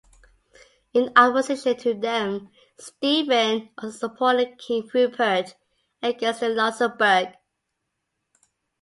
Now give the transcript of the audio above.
In opposition to them, Stephen also supported King Rupert against the Luxemburg.